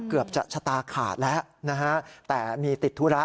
เกือบจะชะตาขาดแล้วนะฮะแต่มีติดธุระ